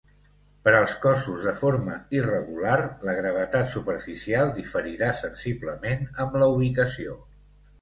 Per als cossos de forma irregular, la gravetat superficial diferirà sensiblement amb la ubicació.